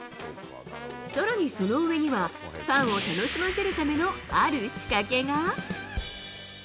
さらにその上には、ファンを楽しませるためのある仕掛けが。